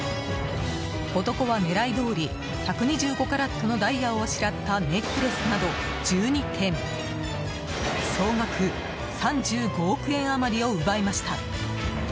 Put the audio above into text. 男は狙いどおり１２５カラットのダイヤをあしらったネックレスなど１２点総額３５億円余りを奪いました。